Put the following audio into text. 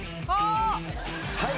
はい。